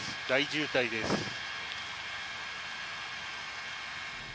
大渋滞です。